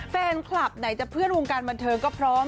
แฟนคลับไหนจะเพื่อนวงการบันเทิงก็พร้อม